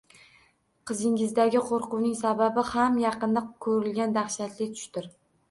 Qizingizdagi qo‘rquvining sababi ham – yaqinda ko‘rilgan dahshatli tushdir.